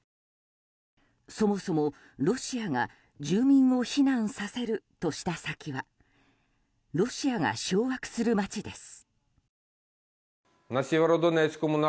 そもそも、ロシアが住民を避難させるとした先はロシアが掌握する街です。